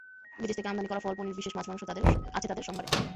বিদেশ থেকে আমদানি করা ফল, পনির, বিশেষ মাছ-মাংস আছে তাঁদের সম্ভারে।